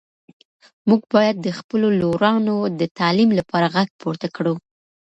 موږ باید د خپلو لورانو د تعلیم لپاره غږ پورته کړو.